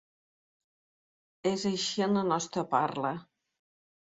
És així en la nostra parla.